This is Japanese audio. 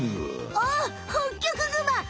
あっホッキョクグマ！